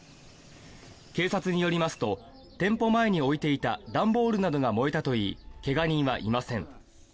警察によりますと店舗前に置いていた段ボールなどが燃えたといい怪我人はいません。